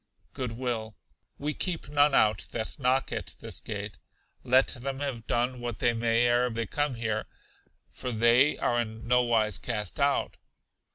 Good will. We keep none out that knock at this gate, let them have done what they may ere they came here; for they are 'in no wise cast out.'